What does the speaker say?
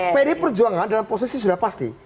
pdi perjuangan dalam posisi sudah pasti